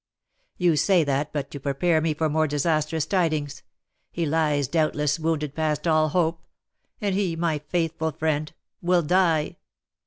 "You say that but to prepare me for more disastrous tidings; he lies, doubtless, wounded past all hope; and he, my faithful friend, will die!"